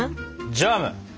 ジャム！